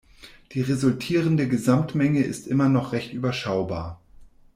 Die resultierende Gesamtmenge ist immer noch recht überschaubar.